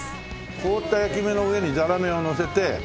凍った焼き芋の上にざらめをのせて。